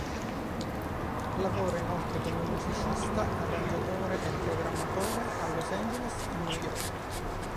Lavora inoltre come musicista, arrangiatore e programmatore a Los Angeles e New York.